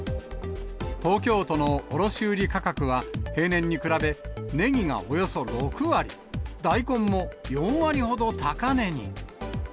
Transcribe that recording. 東京都の卸売り価格は、平年に比べ、ねぎがおよそ６割、大根も４割ほど高値に。